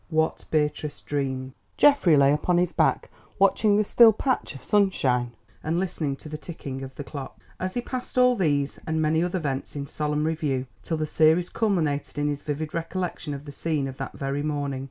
WHAT BEATRICE DREAMED Geoffrey lay upon his back, watching the still patch of sunshine and listening to the ticking of the clock, as he passed all these and many other events in solemn review, till the series culminated in his vivid recollection of the scene of that very morning.